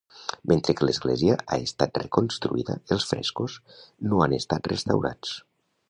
Mentre que l'església ha estat reconstruïda, els frescos no han estat restaurats.